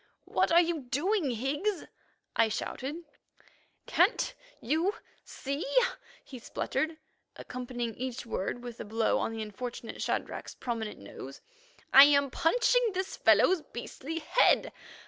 "What are you doing, Higgs?" I shouted. "Can't—you—see," he spluttered, accompanying each word with a blow on the unfortunate Shadrach's prominent nose. "I am punching this fellow's beastly head.